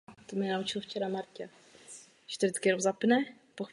Poté po tři semestry navštěvovala konzervatoř v Bostonu se zaměřením na muzikálové divadlo.